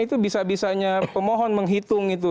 itu bisa bisanya pemohon menghitung itu